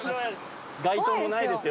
街灯もないですよ